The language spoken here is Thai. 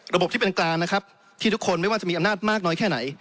ระบบที่เป็นกลางนะครับที่ทุกคนไม่ว่าจะมีอำนาจมากน้อยแค่ไหน